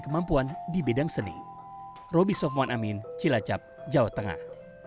kemampuan di bidang seni roby sofwan amin cilacap jawa tengah